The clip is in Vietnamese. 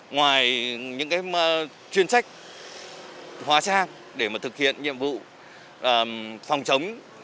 ngoài những chuyên trách hóa sang để thực hiện nhiệm vụ phòng chống